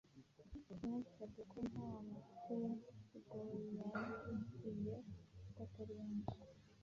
Yansabye ko nta mutegoyarahiye ko atari benshi